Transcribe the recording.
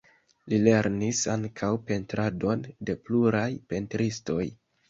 Li lernis ankaŭ pentradon de pluraj pentristoj.